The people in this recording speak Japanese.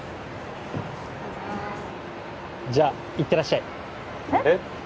どうぞじゃいってらっしゃいえっ？